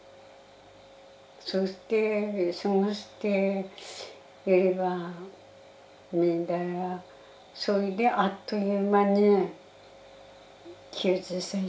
そして過ごしていればそれであっという間に９０歳過ぎてる。